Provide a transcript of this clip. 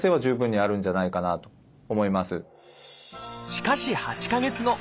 しかし８か月後。